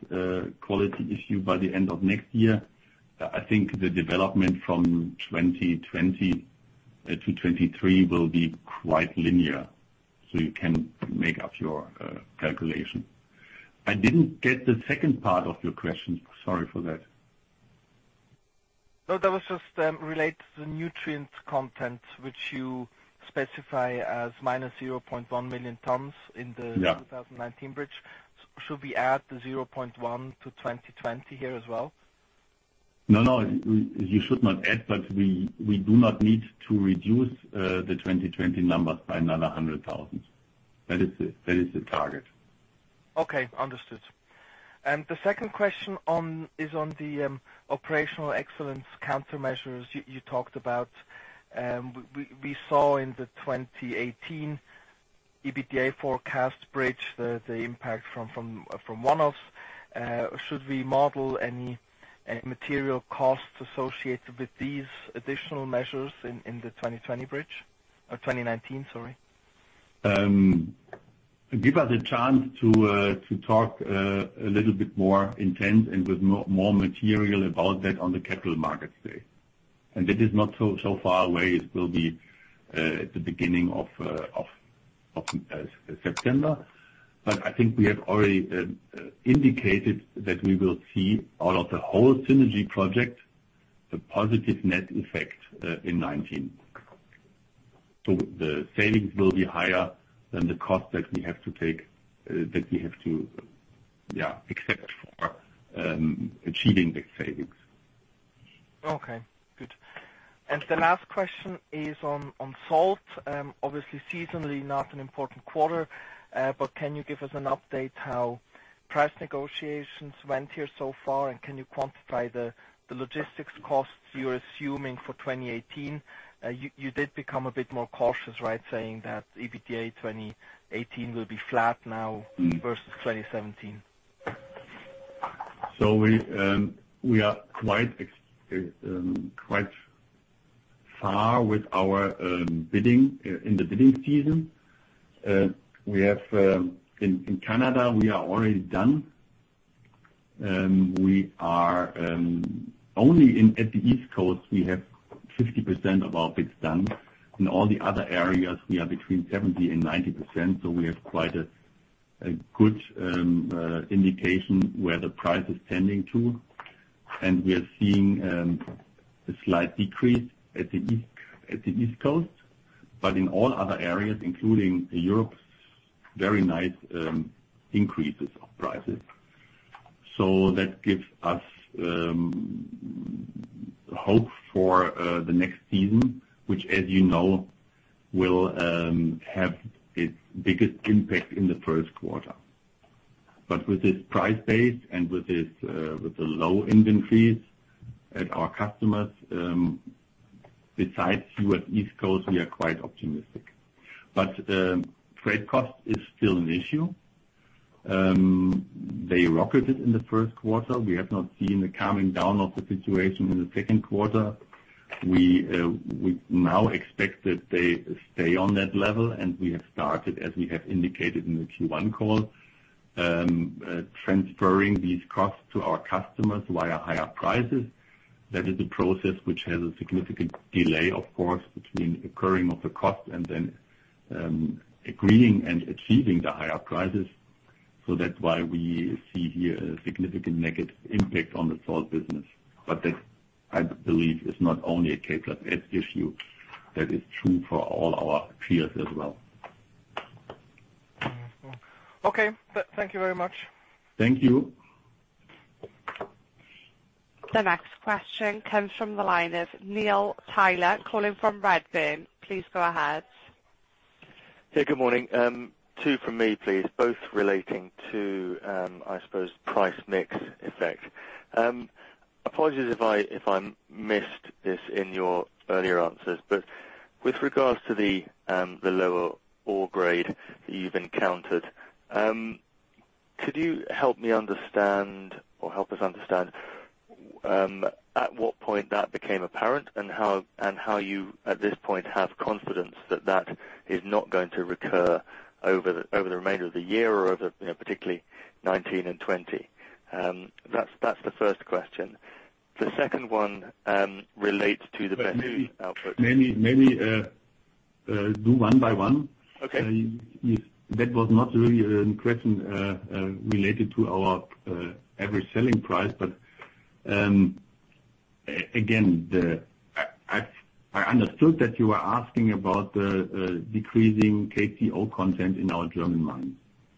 quality issue by the end of next year, I think the development from 2020 to 2023 will be quite linear. You can make up your calculation. I didn't get the second part of your question. Sorry for that. That was just related to the nutrient content, which you specify as minus 0.1 million tons in the- Yeah 2019 bridge. Should we add the 0.1 to 2020 here as well? No, no, you should not add. We do not need to reduce the 2020 numbers by another 100,000. That is the target. Okay. Understood. The second question is on the Operational Excellence countermeasures you talked about. We saw in the 2018 EBITDA forecast bridge the impact from one-offs. Should we model any material costs associated with these additional measures in the 2020 bridge? 2019, sorry. Give us a chance to talk a little bit more intent and with more material about that on the Capital Markets Day. That is not so far away, it will be at the beginning of September. I think we have already indicated that we will see out of the whole synergy project, the positive net effect in 2019. The savings will be higher than the cost that we have to accept for achieving the savings. Okay, good. The last question is on salt. Obviously seasonally not an important quarter. Can you give us an update how price negotiations went here so far? Can you quantify the logistics costs you're assuming for 2018? You did become a bit more cautious, right? Saying that EBITDA 2018 will be flat now versus 2017. We are quite far in the bidding season. In Canada, we are already done. Only at the East Coast we have 50% of our bids done. In all the other areas, we are between 70% and 90%. We have quite a good indication where the price is tending to, and we are seeing a slight decrease at the East Coast, but in all other areas, including Europe, very nice increases of prices. That gives us hope for the next season, which, as you know, will have its biggest impact in the first quarter. With this price base and with the low inventories at our customers, besides here at East Coast, we are quite optimistic. Freight cost is still an issue. They rocketed in the first quarter. We have not seen a calming down of the situation in the second quarter. We now expect that they stay on that level, and we have started, as we have indicated in the Q1 call, transferring these costs to our customers via higher prices. That is a process which has a significant delay, of course, between occurring of the cost and then agreeing and achieving the higher prices. That's why we see here a significant negative impact on the salt business. That, I believe, is not only a K+S issue. That is true for all our peers as well. Thank you very much. Thank you. The next question comes from the line of Neil Tyler calling from Redburn. Please go ahead. Yeah, good morning. Two from me, please, both relating to, I suppose, price mix effect. Apologies if I missed this in your earlier answers. With regards to the lower ore grade that you've encountered, could you help me understand or help us understand at what point that became apparent and how you at this point have confidence that that is not going to recur over the remainder of the year or over particularly 2019 and 2020? That's the first question. The second one relates to the Maybe do one by one. Okay. That was not really a question related to our average selling price. Again, I understood that you were asking about the decreasing K2O content in our German mines.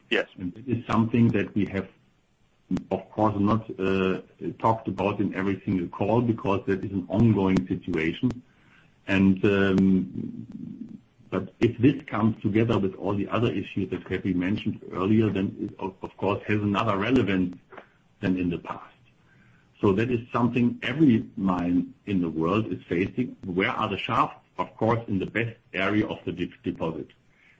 Yes. This is something that we have, of course, not talked about in every single call because that is an ongoing situation. If this comes together with all the other issues that have been mentioned earlier, then it, of course, has another relevance than in the past. That is something every mine in the world is facing. Where are the shafts? Of course, in the best area of the deposit.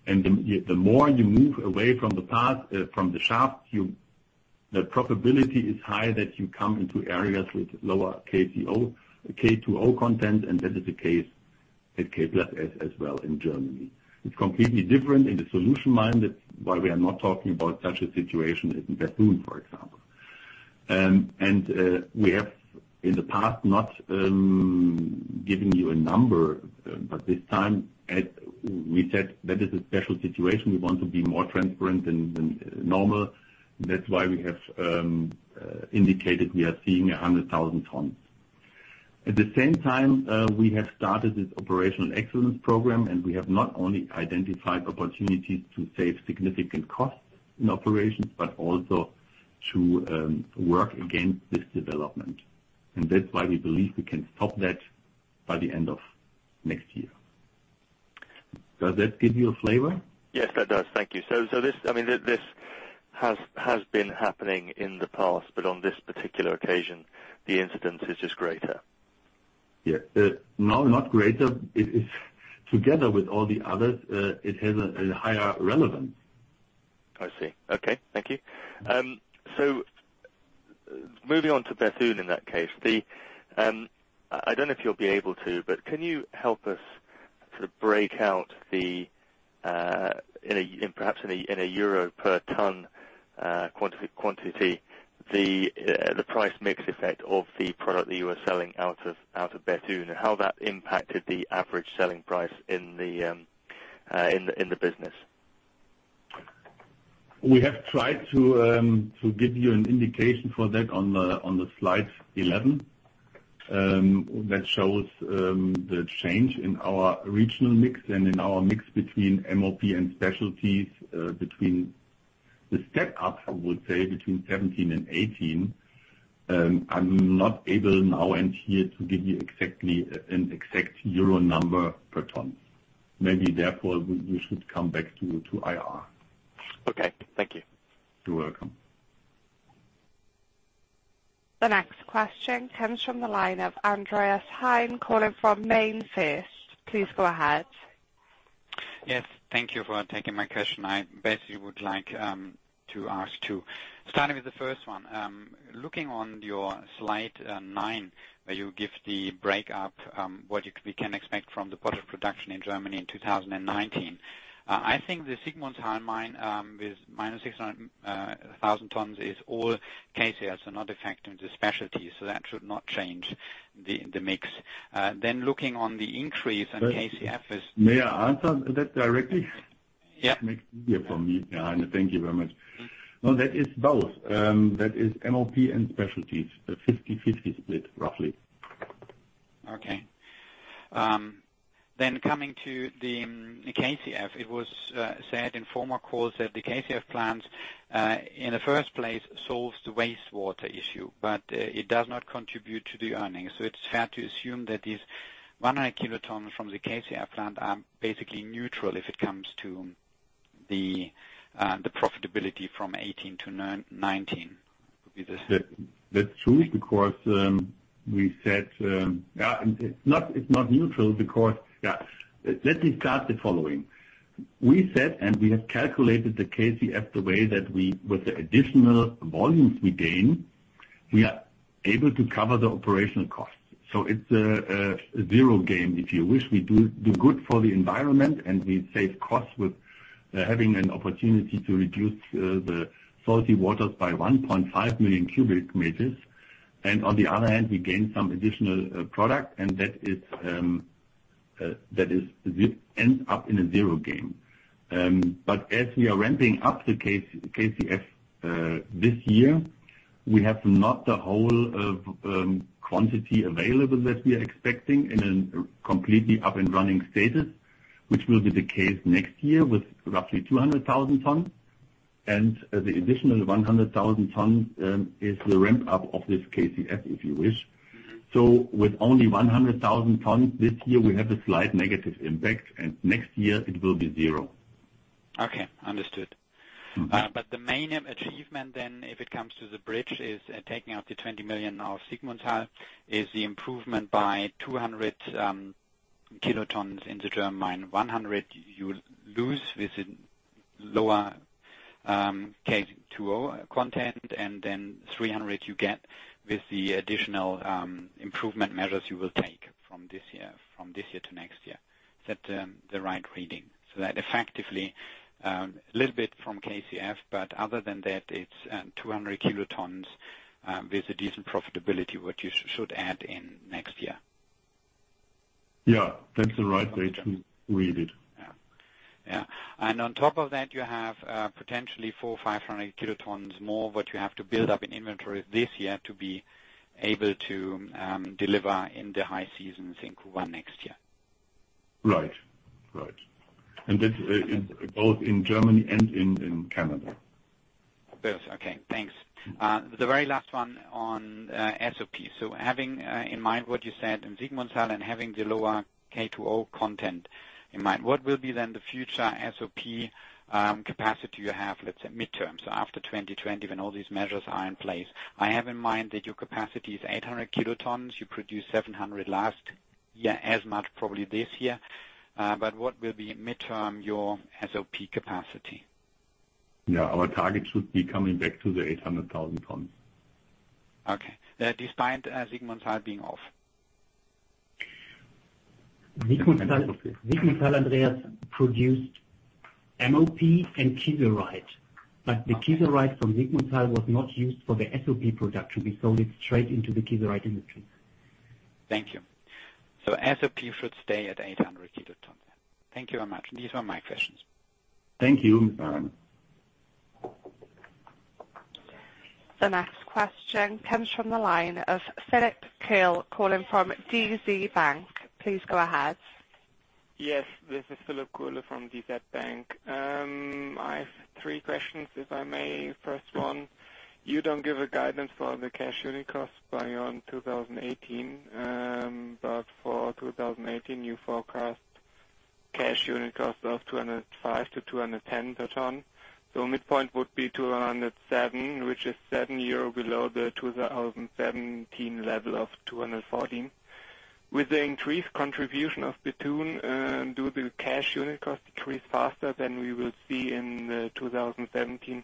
The more you move away from the shaft, the probability is high that you come into areas with lower K2O content, and that is the case at K+S as well in Germany. It's completely different in the solution mine. That's why we are not talking about such a situation in Bethune, for example. We have in the past not given you a number, but this time, we said that is a special situation. We want to be more transparent than normal. That's why we have indicated we are seeing 100,000 tons. At the same time, we have started this Operational Excellence program, and we have not only identified opportunities to save significant costs in operations, but also to work against this development. That's why we believe we can stop that by the end of next year. Does that give you a flavor? Yes, that does. Thank you. This has been happening in the past, but on this particular occasion, the incidence is just greater. No, not greater. Together with all the others, it has a higher relevance. I see. Okay. Thank you. Moving on to Bethune, in that case. I don't know if you'll be able to, but can you help us sort of break out perhaps in a EUR per ton quantity, the price mix effect of the product that you are selling out of Bethune, how that impacted the average selling price in the business? We have tried to give you an indication for that on slide 11. That shows the change in our regional mix and in our mix between MOP and specialties. The step up, I would say between 2017 and 2018, I'm not able now and here to give you an exact EUR number per ton. Maybe therefore, we should come back to you to IR. Okay. Thank you. You're welcome. The next question comes from the line of Andreas Heine, calling from MainFirst. Please go ahead. Yes. Thank you for taking my question. I basically would like to ask two. Starting with the first one. Looking on your slide nine, where you give the breakup, what we can expect from the product production in Germany in 2019. I think the Siegmundshall mine, with minus 600,000 tons is all KCL, so not affecting the specialty. That should not change the mix. Looking on the increase in KCF is- May I answer that directly? Yep. Makes it easier for me, thank you very much. No, that is both. That is MOP and specialties. A 50/50 split, roughly. Coming to the KCF. It was said in former calls that the KCF plant, in the first place, solves the wastewater issue. It does not contribute to the earnings. It is fair to assume that these 100 kilotons from the KCF plant are basically neutral if it comes to the profitability from 2018 to 2019. That is true. It is not neutral. We said, we have calculated the KCF the way that with the additional volumes we gain, we are able to cover the operational costs. It is a zero game, if you wish. We do good for the environment, and we save costs with having an opportunity to reduce the salty waters by 1.5 million cubic meters. On the other hand, we gain some additional product, and that ends up in a zero game. As we are ramping up the KCF this year, we have not the whole of quantity available that we are expecting in a completely up and running status, which will be the case next year with roughly 200,000 tons. The additional 100,000 tons is the ramp-up of this KCF, if you wish. With only 100,000 tons this year, we have a slight negative impact, and next year it will be zero. Understood. The main achievement, if it comes to the bridge, is taking out the 20 million of Siegmundshall is the improvement by 200 kilotons in the German mine. 100 you lose with lower K2O content, 300 you get with the additional improvement measures you will take from this year to next year. Is that the right reading? Effectively, a little bit from KCF, but other than that, it's 200 kilotons, with a decent profitability, what you should add in next year. That's the right way to read it. On top of that, you have potentially 400-500 kilotons more what you have to build up in inventory this year to be able to deliver in the high seasons in Q1 next year. That is both in Germany and in Canada. Both. Okay, thanks. The very last one on SOP. Having in mind what you said in Siegmundshall and having the lower K2O content in mind, what will be then the future SOP capacity you have, let's say midterm, so after 2020 when all these measures are in place? I have in mind that your capacity is 800 kilotons. You produced 700 last year, as much probably this year. What will be midterm your SOP capacity? Yeah. Our target should be coming back to the 800,000 tons. Okay. Despite Siegmundshall being off. Siegmundshall- Siegmundshall, Andreas, produced MOP and kieserite. The kieserite from Siegmundshall was not used for the SOP production. We sold it straight into the kieserite industry. Thank you. SOP should stay at 800 kilotons then. Thank you very much. These were my questions. Thank you. The next question comes from the line of Philip Kuhle calling from DZ Bank. Please go ahead. Yes. This is Philip Kuhle from DZ Bank. I have three questions, if I may. First one, you don't give a guidance for the cash unit cost beyond 2018. For 2018, you forecast cash unit cost of 205 to 210 per ton. Midpoint would be 207, which is 7 euro below the 2017 level of 214. With the increased contribution of Bethune, do the cash unit cost increase faster than we will see in the 2017-2018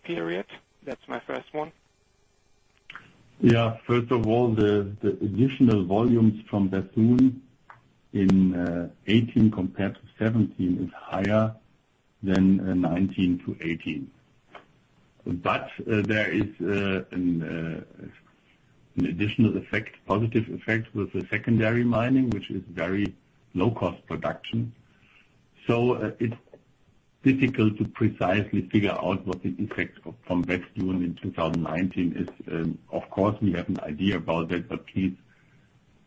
period? That's my first one. Yeah. First of all, the additional volumes from Bethune in 2018 compared to 2017 is higher than 2019 to 2018. There is an additional effect, positive effect with the secondary mining, which is very low cost production. It's difficult to precisely figure out what the impact from Bethune in 2019 is. Of course, we have an idea about that, but please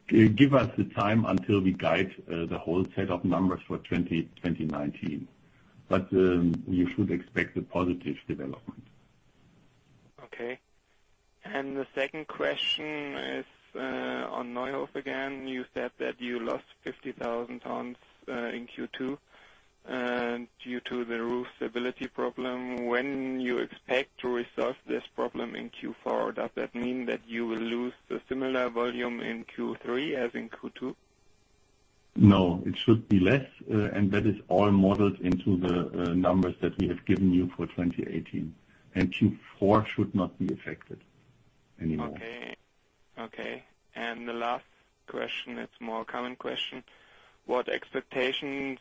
give us the time until we guide the whole set of numbers for 2019. You should expect a positive development. Okay. The second question is on Neuhof again. You said that you lost 50,000 tons in Q2 due to the roof stability problem. When you expect to resolve this problem in Q4, does that mean that you will lose a similar volume in Q3 as in Q2? No, it should be less, that is all modeled into the numbers that we have given you for 2018. Q4 should not be affected anymore. Okay. The last question, it's more a common question. What expectations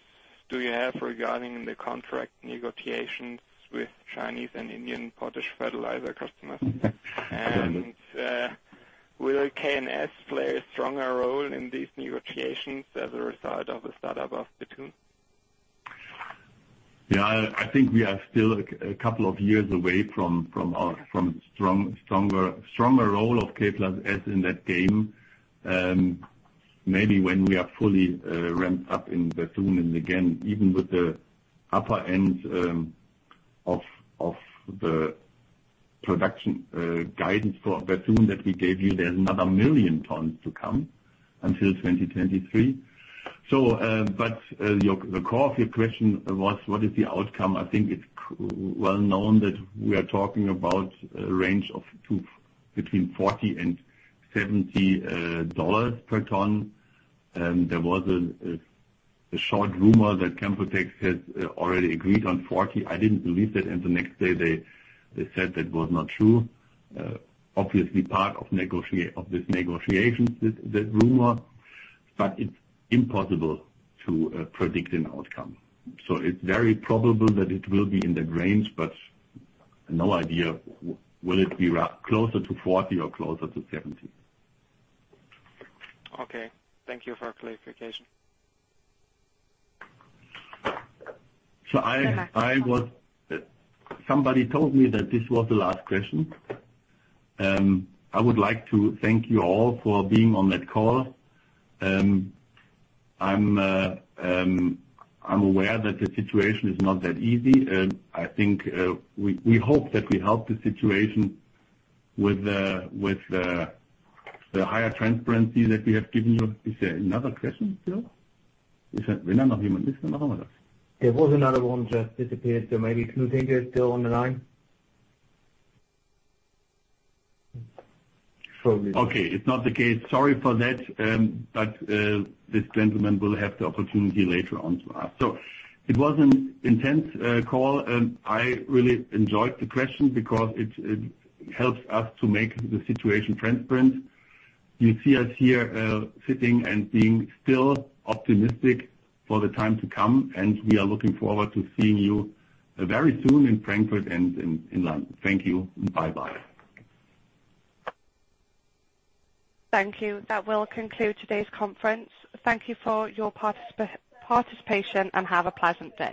do you have regarding the contract negotiations with Chinese and Indian potash fertilizer customers? Yes. Will K+S play a stronger role in these negotiations as a result of the start-up of Bethune? Yeah, I think we are still a couple of years away from stronger role of K+S in that game. Maybe when we are fully ramped up in Bethune and again, even with the upper end of the production guidance for Bethune that we gave you, there is another million tons to come until 2023. The core of your question was, what is the outcome? I think it is well known that we are talking about a range of between $40 and $70 per ton. There was a short rumor that Chemtex had already agreed on 40. I did not believe that, and the next day they said that was not true. Obviously, part of this negotiation, that rumor. It is impossible to predict an outcome. It is very probable that it will be in that range, but no idea, will it be closer to 40 or closer to 70. Okay. Thank you for clarification. Somebody told me that this was the last question. I would like to thank you all for being on that call. I am aware that the situation is not that easy. I think, we hope that we help the situation with the higher transparency that we have given you. Is there another question still? There was another one, just disappeared. Maybe two things are still on the line. Okay. It's not the case. Sorry for that. This gentleman will have the opportunity later on to ask. It was an intense call, and I really enjoyed the question because it helps us to make the situation transparent. You see us here sitting and being still optimistic for the time to come, and we are looking forward to seeing you very soon in Frankfurt and in London. Thank you. Bye-bye. Thank you. That will conclude today's conference. Thank you for your participation, and have a pleasant day.